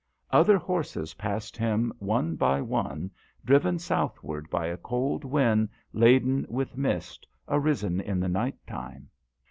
Other horses passed him one by one, driven southward by a cold wind laden with mist, arisen in the night time.